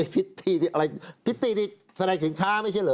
พิธีอะไรพิธีที่แสดงสินค้าไม่ใช่เหรอ